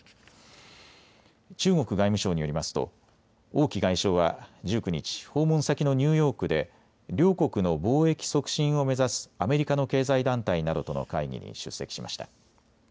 中国外務省によりますと王毅外相は１９日、訪問先のニューヨークで両国の貿易促進を目指すアメリカの経済団体などとの会議に出席しました。